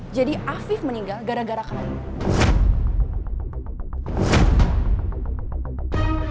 jadi afif meninggal gara gara kamu